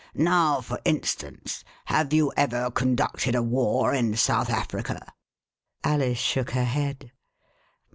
Now, for instance, have you ever conducted a war in South Africa }" Alice shook her head.